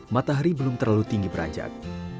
matahari belum terlalu tinggi beranjak